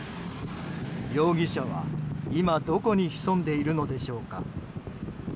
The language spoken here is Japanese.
容疑者は、今どこに潜んでいるのでしょうか。